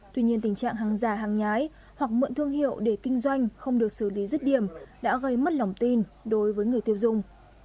tuy nhiên tình trạng hàng giả hàng nhái hoặc mượn thương hiệu để kinh doanh không được xử lý rứt điểm đã gây mất lòng tin đối với người tiêu dùng